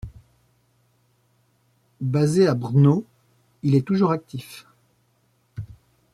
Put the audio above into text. Basé à Brno, il est toujours actif.